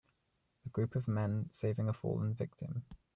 A group of men saving a fallen victim.